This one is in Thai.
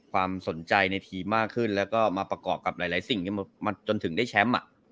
ความสนใจในทีมมากขึ้นแล้วก็มาประกอบกับหลายสิ่งที่จนถึงได้แชมป์